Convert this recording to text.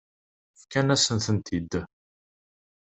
Fkan-asent-tent-id.